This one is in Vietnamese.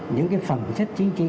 những cái phẩm chất chính trị